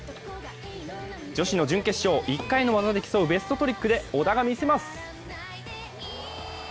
女子の準決勝、１回の技で競うベストトリックで織田が見せます！